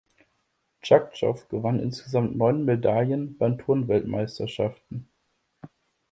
Tkatschow gewann insgesamt neun Medaillen bei Turn-Weltmeisterschaften.